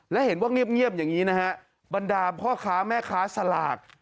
และเห็นว่าเงียบอย่างนี้นะฮะบรรดาพ่อค้าแม่ค้าสลาก